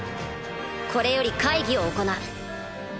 これより会議を行う。